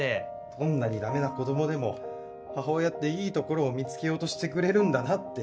どんなにダメな子供でも母親っていいところを見つけようとしてくれるんだなって。